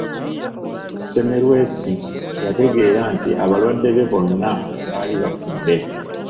Semmelwesi yakitegeera nti abalwadde be bonna baali bafudde.